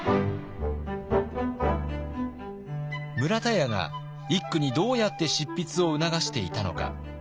村田屋が一九にどうやって執筆を促していたのか。